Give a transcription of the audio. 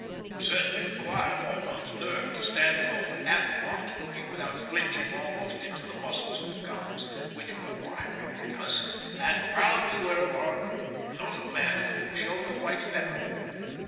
It certainly required all one's nerve to stand upon the paddle box, looking without flinching almost into the muzzles of the guns, which were firing at us; and proud we were of our crew, not a man of whom showed the white feather.